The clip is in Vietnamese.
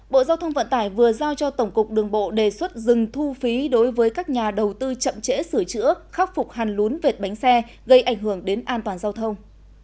bộ giao thông vận tải vừa giao cho tổng cục đường bộ đề xuất dừng thu phí đối với các nhà đầu tư chậm trễ sửa chữa khắc phục hàn lún vệt bánh xe gây ảnh hưởng đến an toàn giao thông